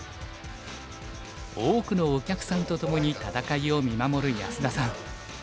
多くのお客さんとともに戦いを見守る安田さん。